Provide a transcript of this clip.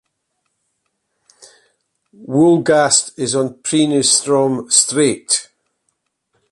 Wolgast is on Peenestrom strait.